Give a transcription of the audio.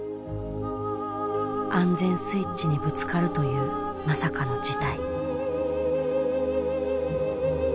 安全スイッチにぶつかるというまさかの事態。